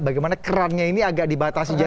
bagaimana kerannya ini agak dibatasi